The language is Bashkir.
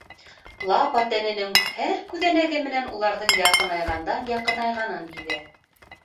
Лапа тәненең һәр күҙәнәге менән уларҙың яҡынайғандан-яҡынайғанын һиҙә.